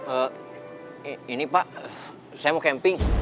eh ini pak saya mau camping